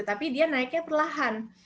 tapi dia naiknya perlahan